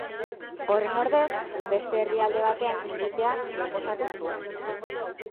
Horren ordez, beste herrialde batean egitea proposatu zuen.